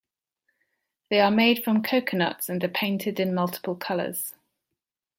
They are made from coconuts and are painted in multiple colors.